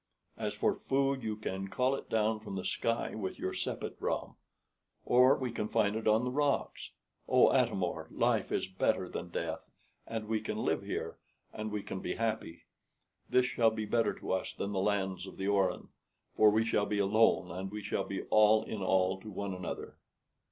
As for food, you can call it down from the sky with your sepet ram, or we can find it on the rocks. Oh, Atam or! life is better than death, and we can live here, and we can be happy. This shall be better to us than the lands of the Orin, for we shall be alone, and we shall be all in all to one another."